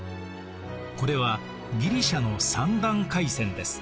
これはギリシアの三段櫂船です。